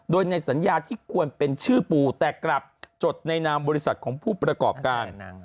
โดยในสัญญาที่ควรเป็นชื่อปูแต่กลับจดในนามบริษัทของผู้ประกอบการ